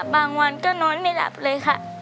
บางวันก็นอนไม่หลับเลยค่ะ